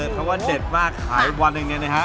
เพราะว่าเด็ดมากขายวันหนึ่งเนี่ยนะฮะ